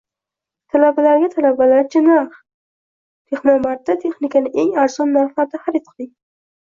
Talabalarga talabacha narx: Texnomart’da texnikani eng arzon narxlarda xarid qiling